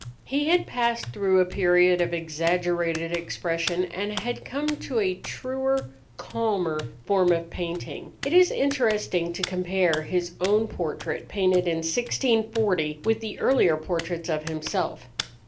He had passed through a period of exaggerated expression and had come to a truer, calmer form of painting. It is interesting to compare his own portrait painted in 1640 with the earlier portraits of himself.